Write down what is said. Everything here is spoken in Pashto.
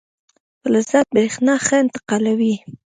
فلزات برېښنا ښه انتقالوي.